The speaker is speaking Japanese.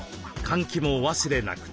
換気もお忘れなく！